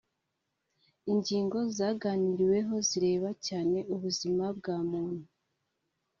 Ingingo zaganiriweho zireba cyane ubuzima bwa muntu